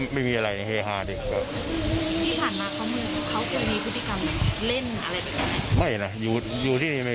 ไม่ได้ไปยุ่งเกี่ยวกับเพื่อนหลังไม่มี